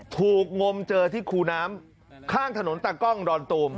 งมเจอที่คูน้ำข้างถนนตากล้องดอนตูม